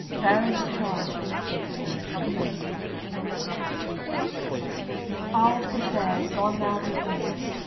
Barons of France weep therefore and complain. CCLXIX Alde the fair is gone now to her rest.